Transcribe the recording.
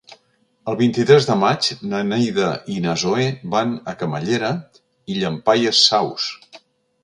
El vint-i-tres de maig na Neida i na Zoè van a Camallera i Llampaies Saus.